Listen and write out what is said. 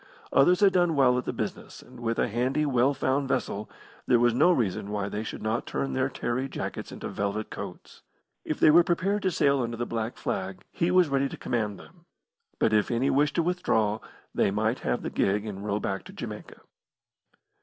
Others had done well at the business, and with a handy, well found vessel, there was no reason why they should not turn their tarry jackets into velvet coats. If they were prepared to sail under the black flag, he was ready to command them; but if any wished to withdraw, they might have the gig and row back to Jamaica.